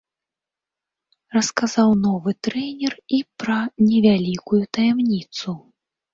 Расказаў новы трэнер і пра невялікую таямніцу.